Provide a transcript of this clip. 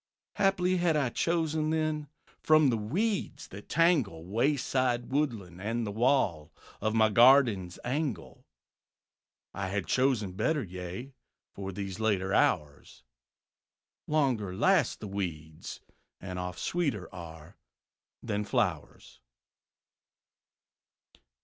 Haply had I chosen then From the weeds that tangle Wayside, woodland and the wall Of my garden's angle, I had chosen better, yea, For these later hours Longer last the weeds, and oft Sweeter are than flowers.